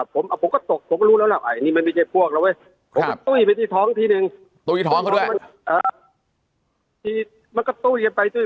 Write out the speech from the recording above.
ผมก็ตกผมก็รู้แล้วละอันนี้ไม่ใช่พวกแล้วบ๊วย